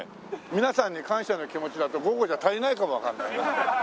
皆さんに感謝の気持ちだと５個じゃ足りないかもわかんないね。